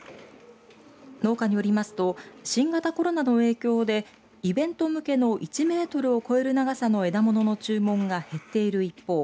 農家によりますと新型コロナの影響でイベント向けの１メートルを超える長さの枝物の注文が減っている一方